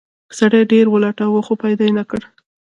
سړي ډیر ولټاوه خو پیدا یې نه کړ.